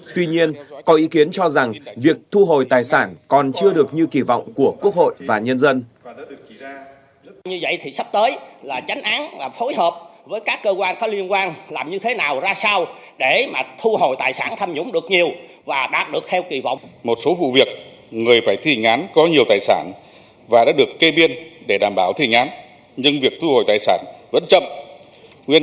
tuy nhiên có ý kiến cho rằng việc thu hồi tài sản còn chưa được như kỳ vọng của quốc hội và nhân dân